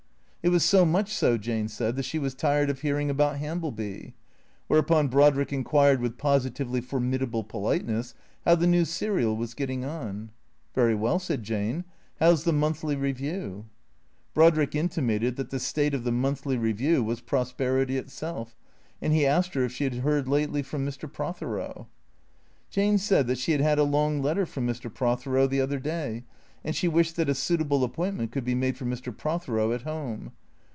It was so much so, Jane said, that she was tired of hearing about Hambieby. Whereupon Brodrick inquired with positively formidable politeness, how the new serial was getting on. " Very well," said Jane. " How 's the ' Monthly Review '?" Brodrick intimated that the state of the "Monthly Review" was prosperity itself, and he asked her if she had heard lately from Mr. Prothero? Jane said that she had had a long letter from Mr. Prothero the other day, and she wished that a suitable appointment could be found for Mr. Prothero at home.